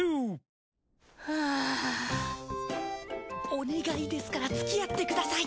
お願いですからつきあってください！